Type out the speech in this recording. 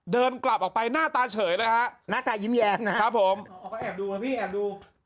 เดินกลับออกไปหน้าตาเฉยเลยฮะหน้าตายิ้มแย้มนะครับผมเขาก็แอบดูครับพี่แอบดู